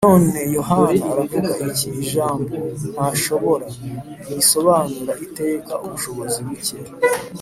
"None Yohana aravuga iki? Ijambo "ntashobora" ntirisobanura iteka ubushobozi buke